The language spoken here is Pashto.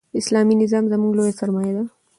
اسلامي نظام زموږ لویه سرمایه ده.